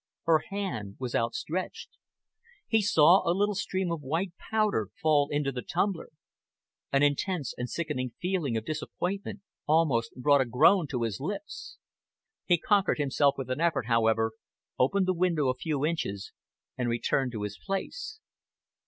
Her hand was outstretched. He saw a little stream of white powder fall into the tumbler. An intense and sickening feeling of disappointment almost brought a groan to his lips. He conquered himself with an effort, however, opened the window a few inches, and returned to his place.